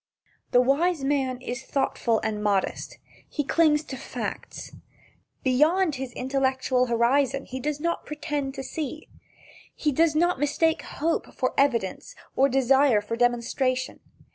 The wise man is thoughtful and modest. He clings to facts. Beyond his intellectual horizon he does not pretend to see. He does not mistake hope for evidence or desire for demonstration.